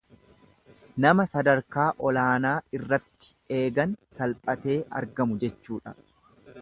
Nama sadarkaa olaanaa irratti eegan salphaatee argamu jechuudha.